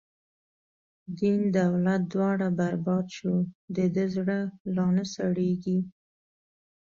دین دولت دواړه برباد شو، د ده زړه لانه سړیږی